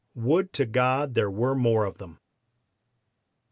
Would to God there were more of them!"